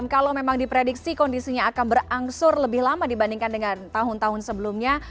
kalau memang diprediksi kondisinya akan berangsur lebih lama dibandingkan dengan tahun tahun sebelumnya